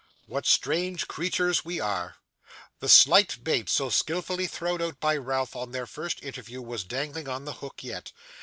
What strange creatures we are! The slight bait so skilfully thrown out by Ralph, on their first interview, was dangling on the hook yet.